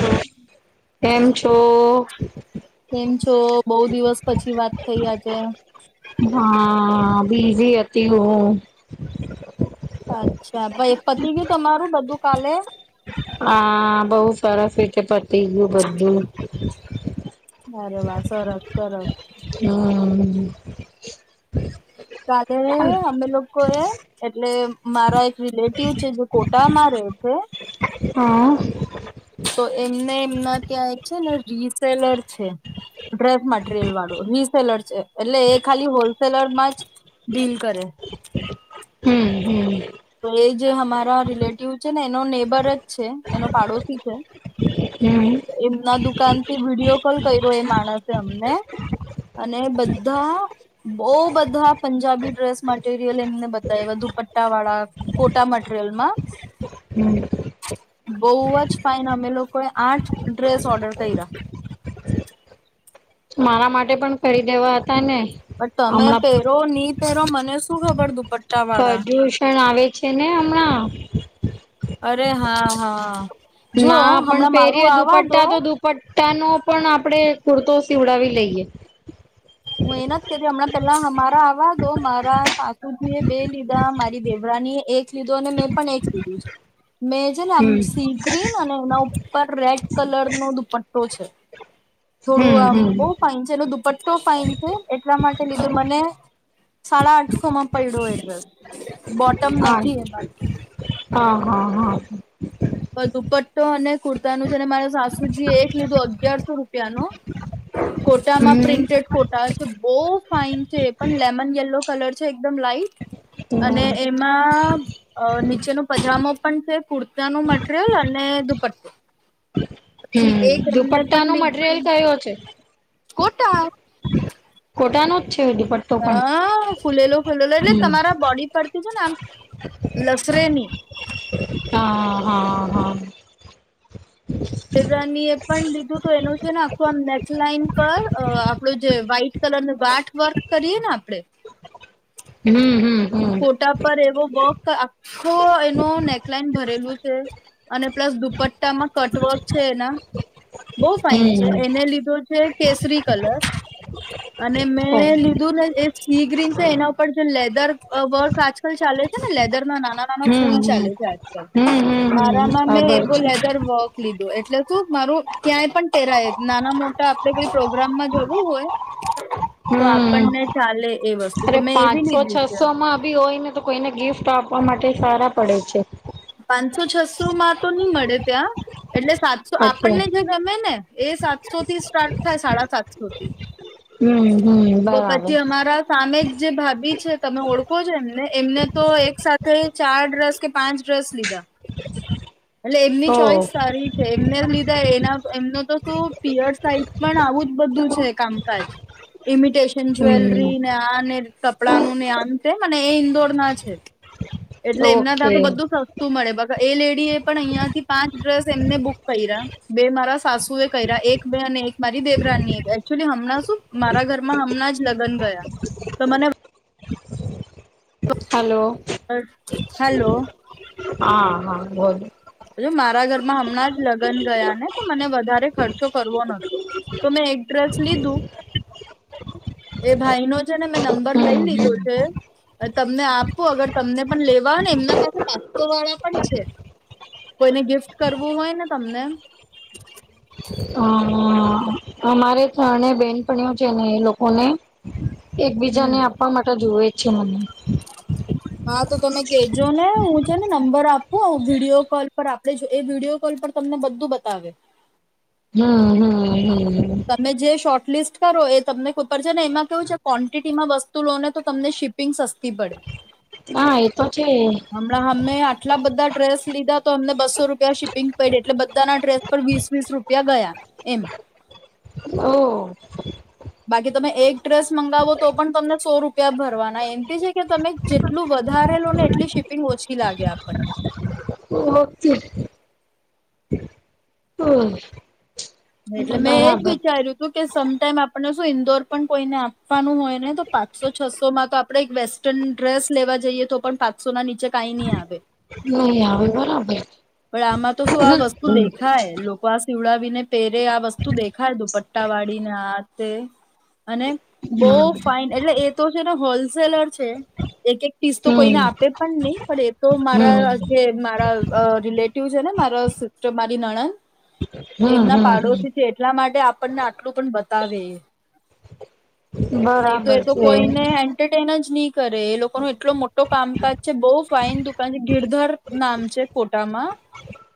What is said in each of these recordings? Hello કેમ છો? કેમ છો બહુ દિવસ પછી વાત થઈ આજે. હા બીઝી હતી હું. અચ્છ [unintelligible] પતી ગયું તમારું બધું. કાલે હા બહુ સરસ રીતે પ પતી ગયું બધું. [inaudible] અરે વાહ સરસ સરસ. હમ્મ. [unintelligible] એ અમે લોકો એ એટલે મારા એ રિલેટિવ છે, જો કોટામાં રહે છે. હા ના ત્યાં એક છે, ને રીસેલર છે, ડ્રેસ મટીરિયલ વાળું રીસેલર, છે એટલે એ ખાલી હોલસેલરમાં જ ડીલ કરે. હમ્મ હમ્મ. તો એ જે અમારા રિલેટિવ છે, ને એનો નેબર જ છે, એનો પાડોશી છે. હમ્મ એમના દુ કાનથી વિડીિયો કોલ કર્યો. એ માણસે અમને અને બધ બહું બધા પંજાબી ડ્રેસ મટીરિયલ એમને, બતાય દુપટ્ટા વાળા... ફોટા મટીરિયલમાં હમ્મ. બો જ ફાાઈન. અમે લોકોએ આઠ ડ્રેસ ઓર્ડર કર્યા. મારા માટે પણ કરી દેવા હતા. ને પણ તમે હમણાં પેરો ની પેરો, મને શું ખબર, દુપટ્ટ પર્યુષણ આવે છે ને, હમણાં? અરે, હા હા! જો ના, પણ હમણાં મારું પેરી આવા દો દુપટ્ટા તો દુપટ ટાનો પણ આપણે કુર્તો સીવડાવી લઈએ. હું એ ના કેતી, અમણાં પેલા હમારા આવવાદો. મારા સાસુજી એ બે લીધા, મારી દેવરાની એક લીધો અને મેં પણ એક લીધું છે. મેં છે ને આમ હમ્મ સી ગ્રીન અને એના ઉપર રેડ કલર નો દુપટ્ટો છે [inaudible] થોડું હમ્મ આમ હમ્મ બો ફઇન છે, એનો દુપટ્ટો એટલા માટે લીધુ, મને સાડા આઠસો માં પડ્યો એ ડ્રેસ. બોટમ હા નથી એ હા, હા, હા. દુપટ્ટો અને કુર્તાનું જેને મારા સાસુજી એ એક લીધું, અગારસો રૂપિયાનું. કોટામાં હમ્મ પ્રિન્ટેડ કોટા છે, બોવ ફાઈન છે, પણ લેમન યેલો કલર છે, એકદમ લાઈટ અને હમ્મ. એમા ચનો પજામો પણ છે, કુર્તાનું મટ રિયલ અને દુપટ્ટો પછી હમ્મ, એક એમને દુપટ્ટા પણ નો મટીરિયલ લીધું કયો છે? કોટા ખોટાનું.. હા. ફૂલેલો ફૂલેલો, એટલે હમ તમારા બોડી પરથી છે ને, આમ લસરેની. હમ્. એની... પણ લીધું તો એનું છે ને. આખું આમ નેકલાઇન પર, આપણું જે વ્હાઈટ કલર નું ગાંઠ વર્ક કરીએ ને, આપણે... હમ્, હમ! ફોટા પર એવો વર્ક, આખો એનો નેકલાઈન ભરેલું છે, અને પ્લસ દુપટ્ટામાં કટવર્ક છે. એના બહુ હમ હમ ફાાઈન છે. એને લીધો છે, કેસરી કલર અને મેં લીધું ને એ સી ગ્રીન છે. એના ઉપર... લેદર... અ, બો આજકાલ ચાલે છે, ને લેદર. નાના નાના ફૂલ ચાલે છે આજકાલ હમ હમ હમ હમ મારામાં મેં ખબર એવો છે લેધર વર્ક લીધું એટલે તું મારું કયાય પણ પહેરાય જ નાના મોટા આપણે કોઈ પ્રોગ્રામમાં જવું હોય તો હમ આપણને ચાલે એ વસ્તુ તો અરે મેં એવી પાંચસો લીધી છે છસો માં બી હોય ને તો કોઈને ગિફ્ટ આપવા માટે સારા પડે છે. પાંચસો છસો માં તો ની મળે ત્યાં. - એટલે સાતસો અચ્છા આપણને જે ગમે ને એ સાતસો થી સ્ટાર્ટ થાય સાડા સાતસો થી. હમ હમ બરાબર પછી અમારા સામે જ જે ભાભી છે તમે ઓળખો છો એમને એમને તો એક સાથે ચાર ડેર્સ કે પાંચ સ લીધા. એટલે એમની ઓ ચોઈસ સારી છે એમને લીધા એના એમનો તો તો પીયર સાહિત પણ આવું જ બધું છે કામકાજ એમીત ટેશન હમ જ્વેલરી ને આ ને કપ કપડાનું ને આમ તેમ ને એ ઇન્દોર ના છે. એટલે એમના તા ઓકે તો બધું સસ્તું મળે બ એ લેડી એ પણ અહિયાં થી પાંચ ડ્રેસ એમને બુક કયરા, બે મારા સાસુ એ કયરા, એક બે અને એક મારી દેવરાની એ એકચુલી હમણાં શું મારા ઘરમાં હમણાં જ લગન ગયા તો મને હલો. હેલો હા-હા બોજ. મારા ઘરમાં હમણાં જ લગન ગયા ને તો મને વધારે ખર્ચો કરવો નતો તો મેં એક ડ્રેસ લીધું એ ભાઈ નો છે ને મેં નંબર હમ લઈ લીધો હમ છે તમને આપું અગર તમને પણ લેવા ને એમના પાસે પાચસો વાળા પણ છે. કોઈને ગિફ્ટ કરવું હોય ને તમને હ અમારે ત્રણે બેનપણી ઓ છે ને એ લોકોને એકબીજાને હમ આપવા માટે જુવે છેમ. હા તો તમે કેજો ને હું છે ને નંબર આપું વિડીયો કોલ પર આપડે જે એ વિડીયો કોલ પર તમને બધું બતાવે. હમ-હમ-હમ. તમે જે શોટ લિસ્ટ કરો એ તમને ખુદ છે ને એમાં કેવું છે ક્વોન્ટિટીમાં વસ્તુ લો ને તો તમને શિપિંગ સસ્તી પડે. હા એતો છે. હમણાં અમે આટલા બધા ડ્રેસ લીધા તો અમને બસો રૂપિયા શિપિંગ પયડી એટલે બધાના ડ્રેસ પર વીસ વીસ રૂપિયા ગયા એમ. ઓહ. બાકી તમે એક ડ્રેસ મંગાવો તો પણ તમને સો રૂપિયા ભરવાના એમથી છે કે તમે જેટલું વધારે લો ને એટલી શિપિંગ ઓછી લાગે આપણને. ઓકે એટલે મેં એજ બરાબર વિચાર્યું હતું. કે સમ ટાઈમ આપણે શું ઈન્દોર પણ કોઈને આપવાનું હોય ને તો પાંચસો છસો માં તો આપણેે એક વેસ્ટર્ન ડ્રેસ લેવા જઈએ તો પણ પાંચસો ના નીચે કાઈ ની આવે. નહીં આવે બરાબર છ. પણ આમાં તો શું આ વસ્તુ દેખાય લોકો આ સીવડાવ વીને પેરે આ વસ્તુ દેખાય દુપટ્ટા વાળીને આ તે અને બહુ હમ ફાઇન એટલે એ તો છેને હોલસેલર છે. એક એક પીસ તો કોઈને હમ આપે પણ નહી પણ એ તો હમ મારા જે મારા અ રિલેટિવ છે ને મારા સિસ્ટ મારી નણન હમ એમના હમ પાડોશી છે એટલા માટે આપ આપણને આટલું પણ બતાવે નહી તો બરાબર એ તો છે કોઈને એન્ટરટેન જ નહી કરે એ લોકો ન એટલો મોટો કામકાજ છે બહ ફાાઈન દુકાન છે ગીરધાર નામ છે કો કમાં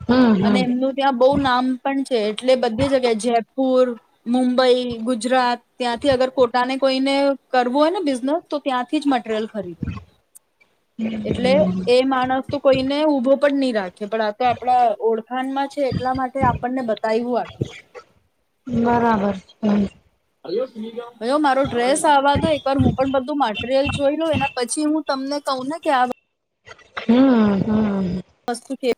હમ અને હમ એમનું ત્યાં બહુ નામ પણ છે એટલે બધી જગ્યાએ જયપુર મુંબઈ ગુજરાત ત્યાંથી અગર ખોટાને કોઈને કરવું હોય ને બિઝનેસ તો ત્યાંથી જ મટીરિયલ ખરીદ એટલે એ માણસ તો કોઈને ઉઊભો પણ નહી રાખે પણ આ તો આપડા ઓળખાણમાં છે એટલા માટે આપણને બતાવું આટલું બરાબર છે હ હ મારો ડ્રેસ આવા દો એક વાર હું પણ બધું મટીરિયલ જોઈ લઉ એના પછી હું તમને કહું ને કે આ હમ હા બસ્ હે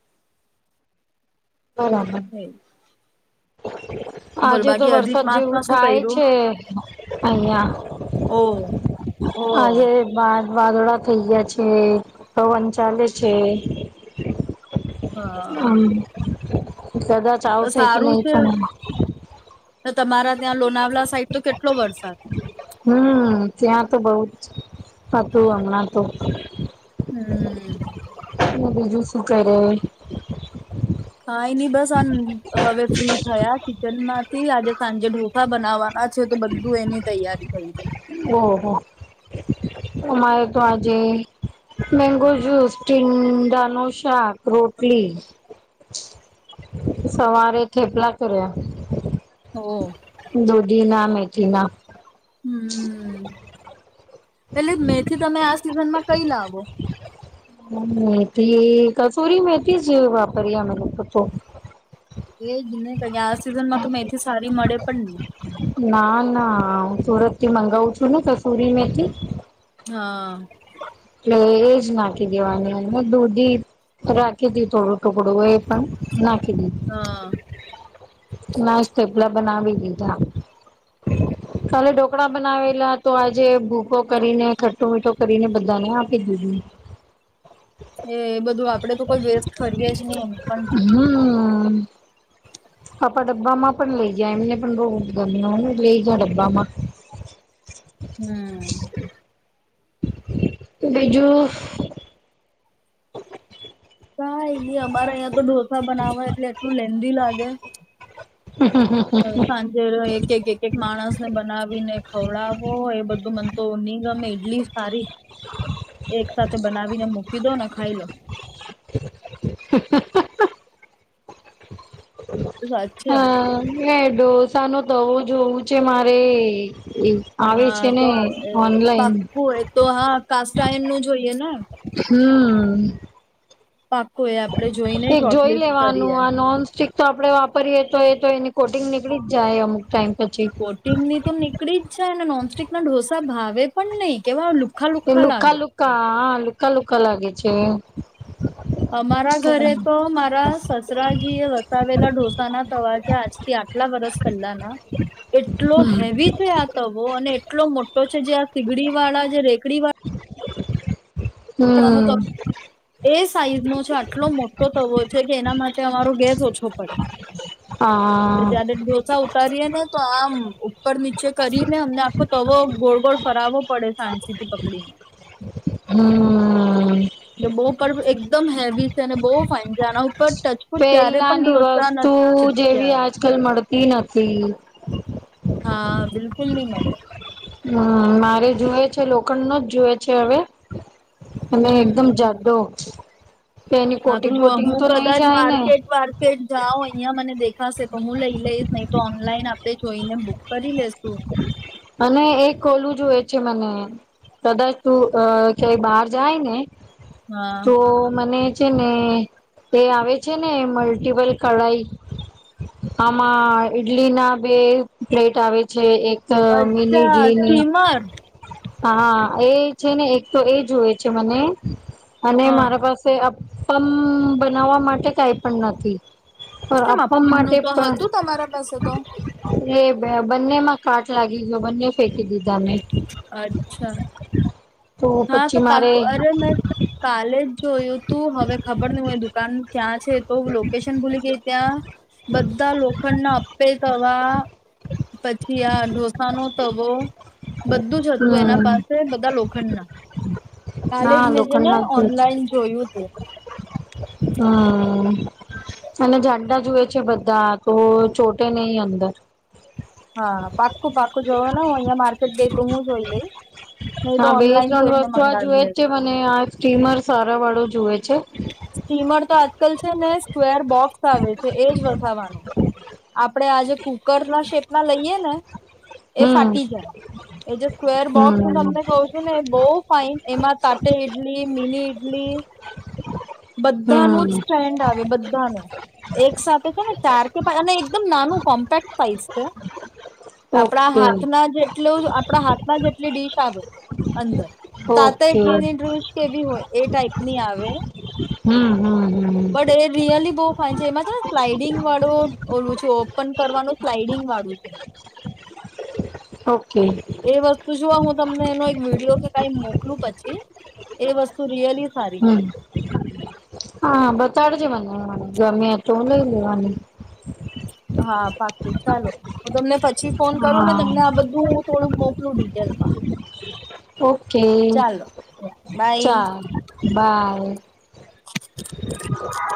હા હ હા બોલ આજે તો બાકી અધિક વરસાદ જેવું માસમાં શું થાય કર્યું છે અહં ઓ ઓ આજે બાદ વાદળા થઈયા છે પવન ચાલે છે હા હમ કદાચ તો આવશે કે સારું નહી છે પણ તો તમારા ત્યાં લોનાવલા સાઈડ તો કેટલો વરસાદ હમ ત્યાં તો બહુ જ હતું હમણાં તો હમ બીજું શું કર કઈ નઈ બસ આ હવે ફ્રી થયા કિચન માંથી આજે સાંજે ઢોસા બનાવવાના છે તો બધું એની તૈયારી થઈ ગય ઓહ અમારે તો આજે મેંગો જૂસ ટીંડા ન શાક રોટલી સવારે થેપલા કર્યા ઓ દુદી નામે [unintelligible] હમ્મ. એટલે મેથી તમે આ સિઝન માં કઈ લાવો? મેથી, કસુરી મેથીજ વાપરીએ અમે તો તો એજ નને ક આ સિઝન માં તો મેથી સારી મળે પણ નહી ના ના હ સુરત થી મંગાવું છું ને કસૂરી મેથી હા એટલે એજ નાખી દેવાની અને દૂધી રાખી હતી થોડું ટુકડું એ પણ નાખી હા મસ્ત થેપલા બનાવી દીધા કાલે ઢોકળા બનાવેલા તો આજે ભૂકો કરીને ખાટ્ટુ મીઠું કરીને બધાનું આપી દીધું. એ બધું આપડે તો કોઈ વેસ્ટ કરીએે જ નહી એમ પણ. હમ. આપણા ડબ્બામાં પણ લઈ ગયા એમને પણ બો ગમ્યું અને [inaudible] લઈ ગયા ડબ્બામાં. હમ્મ. બીજું કાયની અમારા અહીંયા તો ઢોસા બનાવા એટલે એટલું લેન્ધી લાગે. હવે સાંજે એ એક એક એક એક માણસને બનાવીને ખવડાવો હોય એ બધું મન તો ની ગમે એટલી સારી એક સાથે બનાવીને મૂકી દો ને ખાઈ લો. હાહાહાહા. તો સાચે ને ઢોસા નું તવો જોવું છે, મારે. આવે હા છે ને તો અહ ઓનલાઈન પાક્કું એ તો હા કાસ્ટાઈન નું જોઈએ ને. હમ્મ. પાકુ એ આપણે જોઈને શોર્ટલિસ્ટ લેવાનું કરીએ. આ નોન સ્ટિક તો આપણે વાપરીએ તો એ તો એની કોટિંગ નીકળી જાય અમુક ટાઈમ. પછી કોટિંગ ની તો નીકળી જાય ને નોન સ્ટીક ના ઢોસા ભાવે પણ નહી, કેવા એ લુખા લાગે લુખા-લુખા, હા લુખા-લુખા લાગે. છે. અમારા ઘરે તો મારા સસરાજી એ વસાવેલા ઢોસાના તવા છે આજથી આટલા વર્ષ પહેલાના. એટલો હમ હેવી છે આ તવો અને એટલો મોટો છે, જે આ સીગડી વાળા જે રે કડી વા [inaudible] હમ્મ. તવો એ સાઈઝ નો છે, આટલો મોટો તવો છે, કે એના માટે અમારો ગેસ ઓછો પડે. હા [unintelligible] ડોસા ઉતારીએે ને તો આમ ઉપર નીચે કરીને અમને આખો તવો ગોળ ગોળ ફરવો પડે સાણસી થી પકડીને. હમ્મ. જો બો પરબ એક એકદમ હેવી છે, અને બો ફાઇન છે, આના ઉપર ટચફૂટ ક્યારે પણ પેલાની ઢોસા વસ્તુ નથી જેવી ચીપક્યા આજકાલ મળતી નથી. હા બિલકુલ નહી મળે. હમ્મ મારે જુએ છે લોખંડ નો જ જુવે છે હવે. અને હમ એકદમ જાડો. એની હા તો કોટિંગ જો વોટિંગ હું તો નહી કદાચ જાય ને માર્કેટ બાર્કેટ જાઉં અહિયાં મને દેખાશે તો હું લઈ લઈશ નહી તો ઓનલાઈન આપડે જોઈને બુક કરી લઈશ. અને એક ખોલું જોએ. કે મને કદાચ તું અ ક્યાય બહાર જાય ને હા તો મને છે ને એ આવે છે ને મલ્ટીપલ કઢાઈ આમાં ઈડલી ના બે પ્લેટ આવે છે એક અ અચ્છા સ્ટીમર [unintelligible] હા એ છે ને એક તો એ જુવે છે મને અને હા મારા પાસે પમ બનાવવા માટે કઈ પણ નથી. પણ કેમ અપમ માટે અપનનું તો પણ હતું તમારા પાસે તો એ બ બંને માં કાટ લાગી ગયો બંને ફેંકી દીધું. અચ્છા તો હા તો પછી પાપ મારે અરે મે કાલેજ જો હું તું હવે ખબર નહ હોય દુકાન ક્યાં છે તો લોકેશન ભૂલી ગઈ ત્યાં બધા લોખંડ ના અપે તવા પછી આ ઢોસાનો તવો બધું જ હતું એના હમ પાસે બધા લોખંડના કાલે જ મેં જે ને ઓનલાઈન જોયું. તું હમ્મ. અને ઝંડા જુએ છે બધા તો ચોટે નહી અંદર. હા પાક્કું પાકું જવાના ને હું અહિયાં માર્કેટ ગઈ તો હું જોઈ લઈ નહી તો હા બે ઓનલાઈન ત્રણ જોઈને વસ્તુ આ જુએ મંગાવી જ છે લેતું. મને આ સ્ટીમર સારા વાળો જુએ છે? સ્ટીમર તો આજકાલ છે ને સ્કવેર બોક્સ આવે છે એજ વસાવાનું આપડે આ જે કુકર ના શેપ ના લઈએ ને એ હમ ફાટી જાય એ જે સ્કેવર બોક્સ હું હમ તમને કહું છું ને એ બોવ ફાઈન એમાં તાટે ઇડલી મિની ઈડલી બધાનું હમ જ સ્ટ્રેન્ડ આવે બધાનું એક સાથે છે ને ચાર કે અને એકદમ કોમ્પેક્ટ પાઇઝ છે. આપણા ઓકે હાથના જેટલું આપણા હાથ ના જેટલી ડીશ આવે અંદ તાત ઓકે ઇટલી ની ડ્ર્રીશ કેવી હોય એ ટાઈપની આવે હમ હમ. હમ પણ એ રીિયાલી બો. ફા છે એમાં છે ને સ્લાઈડિંગ વાળો ઓલું છે ઓપન કરવાનો સ્લાઈડિંગ વાળું છે. હ. એ વસ્તુ જો હું. તમને એનો એક વિડીયો કે ક મોકલું પછી એ વસ્તુ રિયલી. સારી છે હમ. હા બતાડજે મને મને ગમ્યા તો હું લઈ લેવાની. હા પાકું ચાલો હ તમને પછી. ફોન કરો ને હા તમને આ બધું થોડું. ડિટેઇલ માં. ઓકે બાય ચાર બાય. હ.